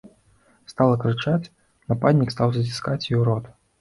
Стала крычаць, нападнік стаў заціскаць ёй рот.